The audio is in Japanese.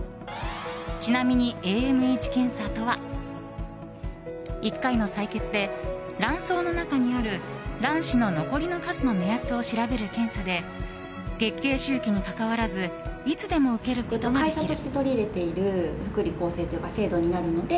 ちなみにＡＭＨ検査とは１回の採血で卵巣の中にある卵子の残りの数の目安を調べる検査で月経周期にかかわらずいつでも受けることができる。